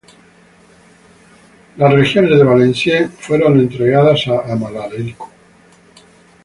Las regiones de Valenciennes fueron entregadas a Amalarico.